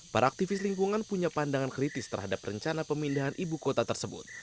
para aktivis lingkungan punya pandangan kritis terhadap rencana pemindahan ibu kota tersebut